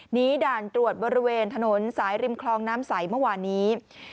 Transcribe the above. ด่านตรวจบริเวณถนนสายริมคลองน้ำใสเมื่อวานนี้